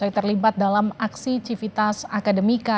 yang terlibat dalam aksi civitas akademika